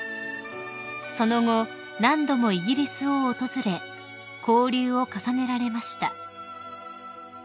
［その後何度もイギリスを訪れ交流を重ねられました］